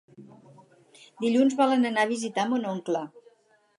Dilluns volen anar a visitar mon oncle.